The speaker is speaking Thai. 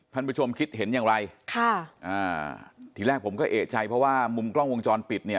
ท่านผู้ชมคิดเห็นอย่างไรค่ะอ่าทีแรกผมก็เอกใจเพราะว่ามุมกล้องวงจรปิดเนี่ย